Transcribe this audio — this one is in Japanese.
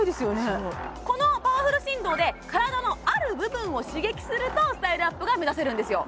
すごいこのパワフル振動で体のある部分を刺激するとスタイルアップが目指せるんですよ